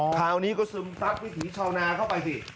คราวนี้ก็ซึมซัดวิถีชาวนาเข้าไปสิ